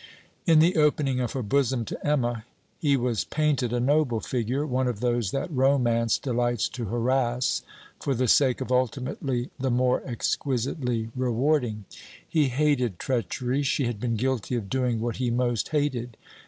In the opening of her bosom to Emma, he was painted a noble figure; one of those that Romance delights to harass for the sake of ultimately the more exquisitely rewarding. He hated treachery: she had been guilty of doing what he most hated.